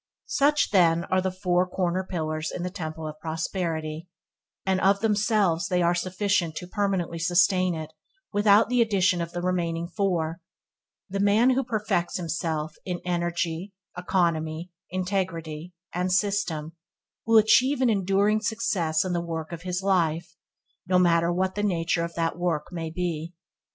Such, then, are four corner pillars in the Temple of Prosperity, and of themselves they are sufficient to permanently sustain it without the addition of the remaining four. The man who perfects himself in Energy, Economy, Integrity, and System will achieve an enduring success in the work of his life, no matter what the nature of that work may be.